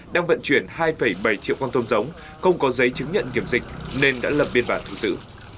đang vận chuyển hai bảy triệu con tôm giống không có giấy chứng nhận kiểm dịch nên đã lập biên bản thu giữ